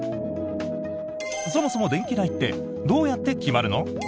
そもそも電気代ってどうやって決まるの？